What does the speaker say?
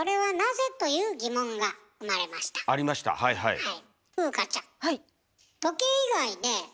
はい。